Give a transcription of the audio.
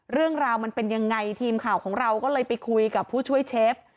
เรื่องราวมันเป็นยังไงทีมข่าวของเราก็เลยไปคุยกับผู้ช่วยเชฟ